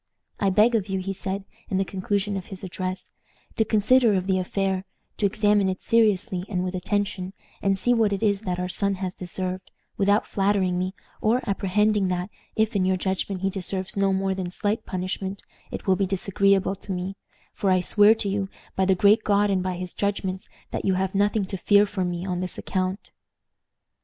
"I beg of you," he said, in the conclusion of his address, "to consider of the affair, to examine it seriously and with attention, and see what it is that our son has deserved, without flattering me, or apprehending that, if in your judgment he deserves no more than slight punishment, it will be disagreeable to me; for I swear to you, by the Great God and by his judgments, that you have nothing to fear from me on this account.